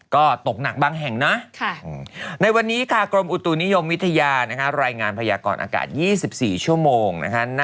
ก็ตกหนักบางแห่งนะในวันนี้ค่ะกรมอุตุนิยมวิทยารายงานพยากรอากาศ๒๔ชั่วโมงนะคะ